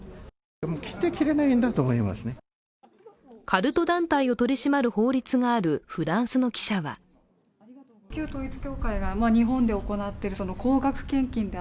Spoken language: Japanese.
カルト団体を取り締まる法律があるフランスの記者は祝福